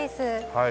はい。